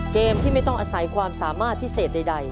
เกมที่ไม่ต้องอาศัยความสามารถพิเศษใด